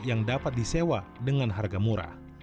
yang dapat disewa dengan harga murah